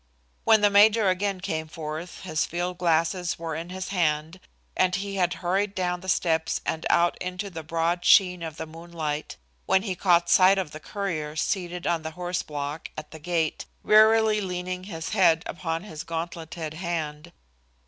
When the major again came forth his field glasses were in his hand and he had hurried down the steps and out into the broad sheen of the moonlight when he caught sight of the courier seated on the horseblock at the gate, wearily leaning his head upon his gauntleted hand.